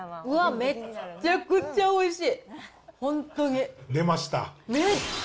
めっちゃくちゃおいしい。